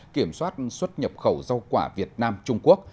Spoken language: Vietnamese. kiểm soát xuất nhập khẩu rau quả việt nam trung quốc